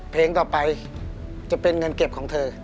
เพลงต่อไปจะเป็นเงินเก็บของเธอ